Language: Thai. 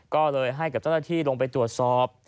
ก็เลยให้กับเจ้าหน้าที่ลงไปตรวจสอบ